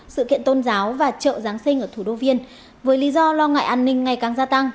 sự kiện tôn giáo và chợ giáng sinh ở thủ đô viên với lý do lo ngại an ninh ngày càng gia tăng